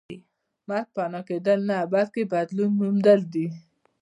مرګ فنا کېدل نه بلکې بدلون موندل دي